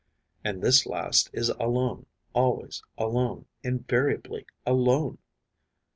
And this last is alone, always alone, invariably alone.